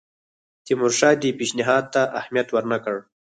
تیمورشاه دې پېشنهاد ته اهمیت ورنه کړ.